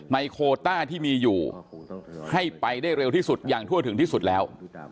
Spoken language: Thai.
โคต้าที่มีอยู่ให้ไปได้เร็วที่สุดอย่างทั่วถึงที่สุดแล้ว